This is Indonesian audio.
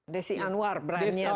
desi anwar brandnya